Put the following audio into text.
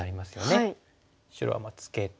白はツケて。